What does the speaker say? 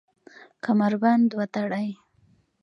کمربند وتړئ